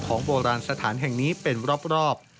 โบราณสถานแห่งนี้เป็นรอบ